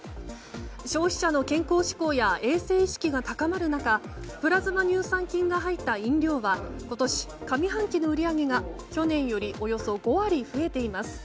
消費者の健康志向や衛生志向が高まる中プラズマ乳酸菌が入った飲料は今年上半期の売り上げが去年よりおよそ５割増えています。